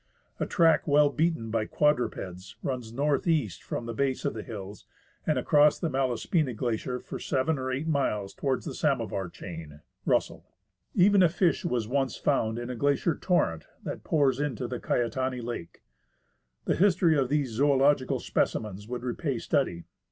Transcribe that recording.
A track well beaten by quadrupeds runs north east from the base of the hills and across the Malaspina CROSSING THE AGASSIZ GLACIER. Glacier for seven or eight miles towards the Samovar chain (Russell). Even a fish was once found in a glacier torrent that pours into the Caetani Lake. The history of these zoological species would repay study.